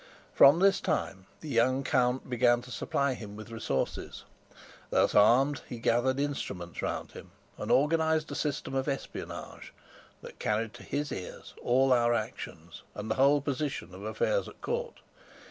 From this time the young count began to supply him with resources. Thus armed, he gathered instruments round him and organized a system of espionage that carried to his ears all our actions and the whole position of affairs at court.